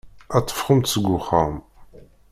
Ad teffɣemt seg uxxam.